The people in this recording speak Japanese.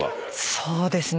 そうですね。